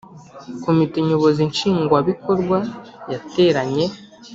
Komite Nyobozi Nshingwabikorwa yateranye